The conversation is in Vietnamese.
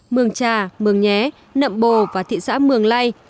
mường trà mường nhé nậm bồ và thị xã mường lây